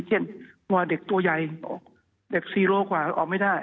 เช่นว่าเด็กตัวใหญ่เด็ก๔โลกว่าออกไม่ได้